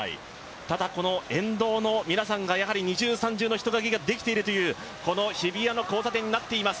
ただ沿道の皆さんが二重、三重の人影ができているという日比谷の交差点になっています。